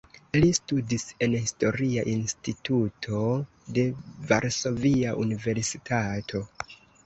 Li studis en Historia Instituto de Varsovia Universitato.